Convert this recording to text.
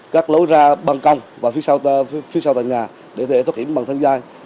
các lối ra ban công và phía sau tầng nhà để để thoát hiểm bằng thang dây